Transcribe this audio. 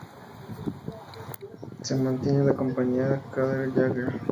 Se mantiene en la compañía de Cade Yeager.